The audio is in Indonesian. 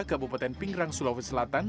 kabupaten pinerang sulawesi selatan